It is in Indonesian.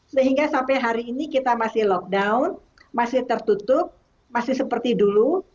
sehingga sampai hari ini kita masih lockdown masih tertutup masih seperti dulu